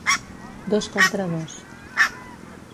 Dos contra dos.